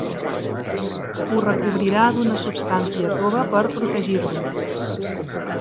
Ho recobrirà d'una substància tova per protegir-lo.